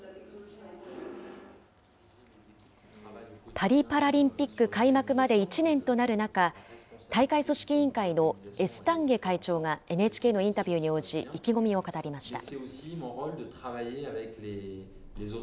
パリパラリンピック開幕まで１年となる中、大会組織委員会のエスタンゲ会長がＮＨＫのインタビューに応じ、意気込みを語りました。